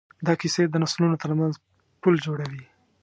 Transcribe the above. دا کیسې د نسلونو ترمنځ پل جوړوي.